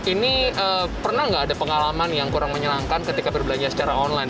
ini pernah nggak ada pengalaman yang kurang menyenangkan ketika berbelanja secara online